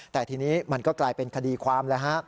แต่ทีนี้มันก็กลายเป็นคดีความแล้วฮะ